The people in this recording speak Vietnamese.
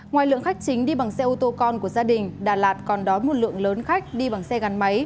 ngoài lượng khách chính đi bằng xe ô tô con của gia đình đà lạt còn đói một lượng lớn khách đi bằng xe gắn máy